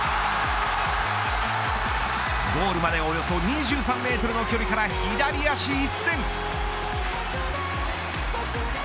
ゴールまでおよそ２３メートルの距離から左足一閃。